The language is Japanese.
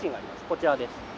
こちらです。